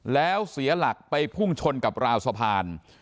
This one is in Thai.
แล้วเสียหลักไปพุ่งชนกับราวสะพาน